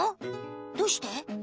どうして？